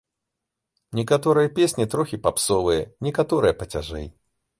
Некаторыя песні трохі папсовыя, некаторыя пацяжэй.